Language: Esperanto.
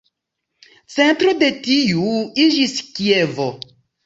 Centro de tiu iĝis Kievo.